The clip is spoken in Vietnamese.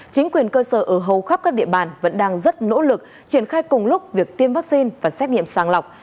chính quyền cơ sở ở hầu khắp các địa bàn vẫn đang rất nỗ lực triển khai cùng lúc việc tiêm vaccine và xét nghiệm sàng lọc